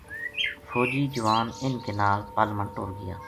فوجی جوان اِنھ کے نال پل ما ٹُر گیا